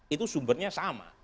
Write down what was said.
itu sumbernya sama